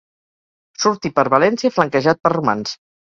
Surti per València flanquejat per romans.